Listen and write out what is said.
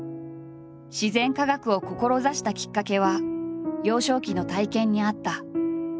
自然科学を志したきっかけは幼少期の体験にあった。